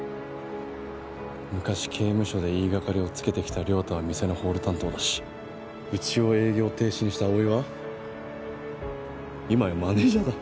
昔刑務所で言いがかりをつけてきた亮太は店のホール担当だしうちを営業停止にした葵は今やマネージャーだ。